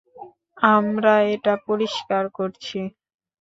আমরা এটা পরিষ্কার করছি।